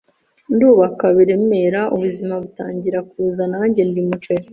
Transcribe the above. ndubaka biremera, ubuzima butangira kuza nanjye ndya umuceri